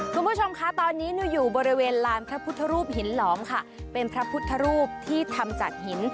คุณผู้ชมคะตอนนี้หนูอยู่บริเวณลานพระพุทธรูปหินหลอมค่ะเป็นพระพุทธรูปที่ทำจากหิน